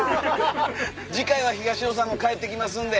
次回は東野さんも帰ってきますんで。